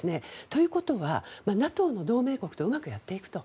ということはＮＡＴＯの同盟国とうまくやっていくと。